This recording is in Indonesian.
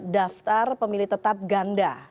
daftar pemilih tetap ganda